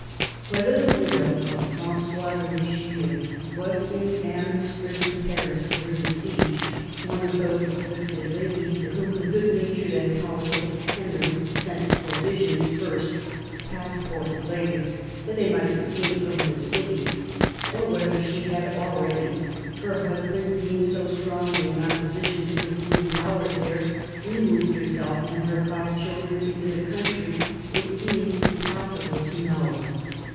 WHETHER the widow of Francois de Richelieu was in famine striclcen Paris during the siege — one of those afflicted ladies to whom the good natured and politic Henry sent provisions first, passports later, that they might escape from the city — or whether she had already, her husband being so strongly in opposition to the ruling powers there, removed herself and her five children into the country it seems impossible to know.